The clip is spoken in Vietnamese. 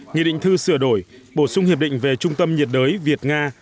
nghị định thư sửa đổi bổ sung hiệp định về trung tâm nhiệt đới việt nga